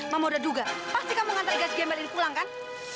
mama udah duga pasti kamu ngantri gas gamer ini pulang kan